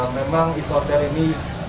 memang isoter ini